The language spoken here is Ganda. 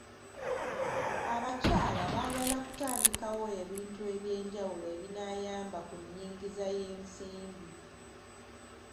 Abakyala bagala kutandikawo ebintu ebyenjawulo ebinaayamba ku nnyingiza y'ensimbi.